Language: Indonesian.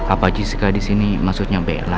apa jessica di sini maksudnya bella